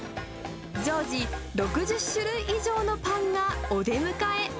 常時６０種類以上のパンがお出迎え。